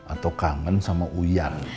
atau kangen sama uyan